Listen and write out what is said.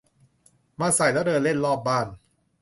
มาใส่แล้วเดินเล่นรอบบ้าน